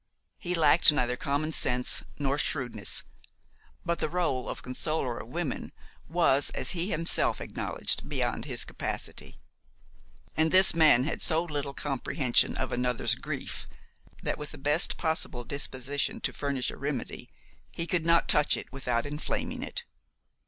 He lacked neither common sense nor shrewdness; but the role of consoler of women was, as he himself acknowledged, beyond his capacity. And this man had so little comprehension of another's grief, that with the best possible disposition to furnish a remedy, he could not touch it without inflaming it.